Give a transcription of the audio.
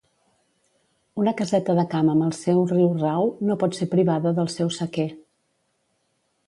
Una caseta de camp amb el seu riurau no pot ser privada del seu sequer.